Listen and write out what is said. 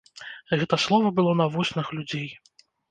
Гэта слова было на вуснах людзей.